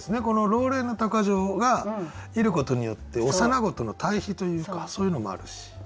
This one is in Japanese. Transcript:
この「老練の鷹匠」がいることによって「幼子」との対比というかそういうのもあるし。